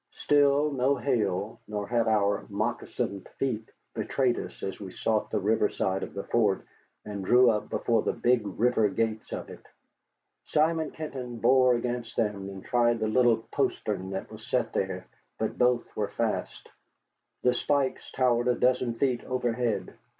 Still no hail, nor had our moccasined feet betrayed us as we sought the river side of the fort and drew up before the big river gates of it. Simon Kenton bore against them, and tried the little postern that was set there, but both were fast. The spikes towered a dozen feet overhead.